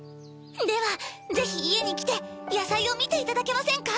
ではぜひ家に来て野菜を見ていただけませんか？